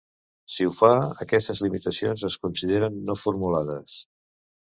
Si ho fa, aquestes limitacions es consideren no formulades.